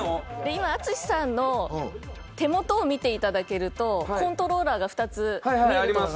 今、淳さんの手元を見ていただくとコントローラーが２つあります。